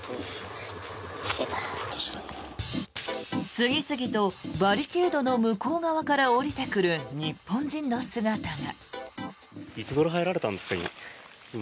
次々とバリケードの向こう側から下りてくる日本人の姿が。